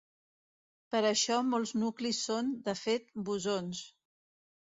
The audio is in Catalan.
Per això molts nuclis són, de fet, bosons.